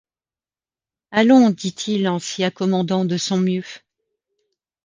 Allons, dit-il en s’y accommodant de son mieux.